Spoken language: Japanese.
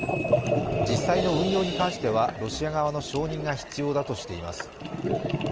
実際の運用に関してはロシア側の承認が必要だとしています。